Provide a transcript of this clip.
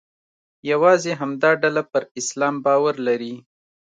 یوازې همدا ډله پر اسلام باور لري.